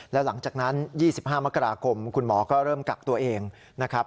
แล้วหลังจากนั้น๒๕มกราคมคุณหมอก็เริ่มกักตัวเองนะครับ